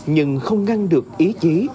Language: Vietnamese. nhưng không ngăn được ý chí